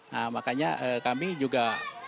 nah makanya kami juga